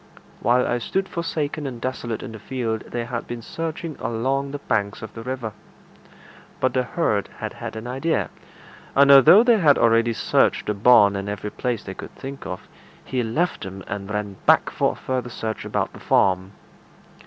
While I stood forsaken and desolate in the field, they had been searching along the banks of the river. But the herd had had an idea, and although they had already searched the barn and every place they could think of, he left them and ran back for a further search about the farm.